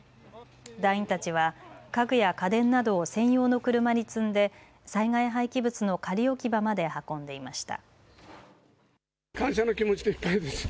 団員たちは家具や家電などを専用の車に積んで災害廃棄物の仮置き場まで運んでいました。